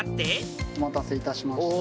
お待たせいたしました。